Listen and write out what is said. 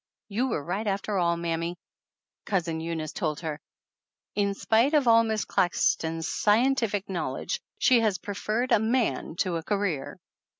"You were right after all, mammy," Cousin Eunice told her. "In spite of all Miss Clax ton's scientific knowledge she has preferred a man to a career!"